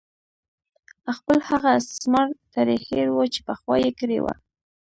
خپل هغه استثمار ترې هېر وو چې پخوا یې کړې وه.